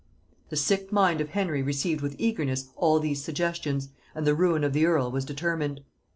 The sick mind of Henry received with eagerness all these suggestions, and the ruin of the earl was determined.